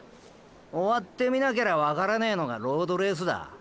オワってみなけりゃワカらねェのがロードレースだ。